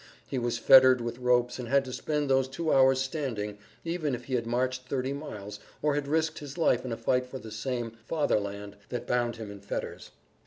He was fettered with ropes and had to spend those two hours standing, even if he had marched 30 miles or had risked his life in a fight for the same "Fatherland" that bound him in fetters.